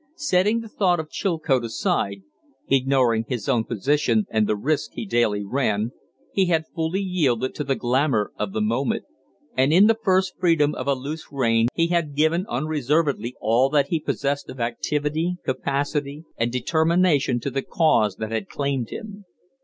Setting the thought of Chilcote aside, ignoring his own position and the risks he daily ran, he had fully yielded to the glamour of the moment, and in the first freedom of a loose rein he had given unreservedly all that he possessed of activity, capacity, and determination to the cause that had claimed him.